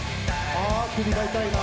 ああ首が痛いな。